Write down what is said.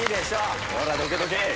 ほらどけどけ。